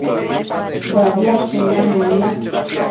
Badiadshun nanun na